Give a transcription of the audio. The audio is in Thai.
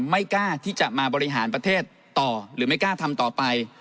ไม่กล้าที่จะมาบริหารประเทศต่อหรือไม่กล้าทำต่อไป